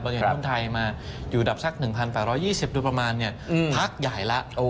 อย่างหุ้นไทยมาอยู่อันดับสัก๑๘๒๐โดยประมาณพักใหญ่แล้ว